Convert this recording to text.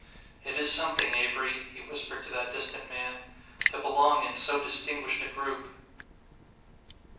"It is something, Avery," he whispered to that distant man, "to belong in so distinguished a group."